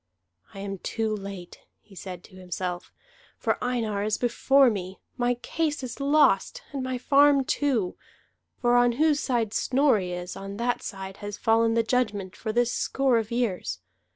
"I am too late," he said to himself, "for Einar is before me. My case is lost, and my farm too; for on whose side Snorri is, on that side has fallen the judgment for this score of years.